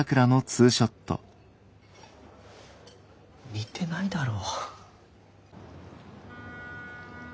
似てないだろ。